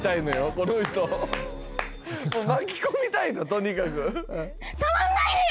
この人巻き込みたいのとにかく触んないでよ！